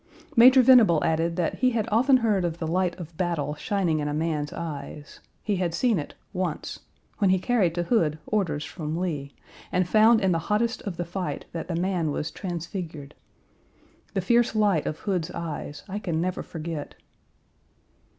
Major Venable added that he had often heard of the light of battle shining in a man's eyes. He had seen it once when he carried to Hood orders from Lee, and found in the hottest of the fight that the man was transfigured. The fierce light of Hood's eyes I can never forget.